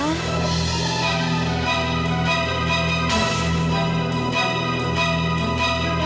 aku ingin menerima